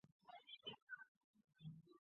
这就叫人为因素操作不当